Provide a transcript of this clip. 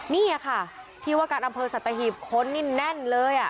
นี่ค่ะที่ว่าการอำเภอสัตหีบคนนี่แน่นเลย